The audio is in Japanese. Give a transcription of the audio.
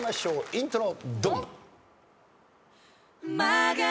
イントロ。